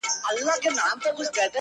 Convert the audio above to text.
وخت را ښیي مطلبي یاران پخپله,